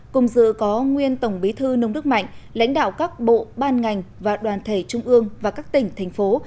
cùng dự có nguyên tổng bí thư nông đức mạnh lãnh đạo các bộ ban ngành và đoàn thể trung ương và các tỉnh thành phố